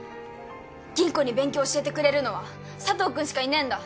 吟子に勉強教えてくれるのは佐藤君しかいねえんだ。